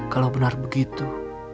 kalau benar begitu